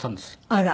あら。